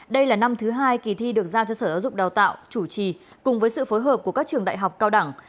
đây là năm thứ hai kỳ thi được giao cho sở giáo dục đào tạo chủ trì cùng với sự phối hợp của các trường đại học cao đẳng